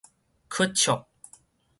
屈尺